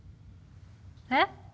えっ？